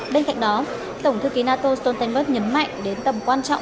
đối với ngôi sao phim người lớn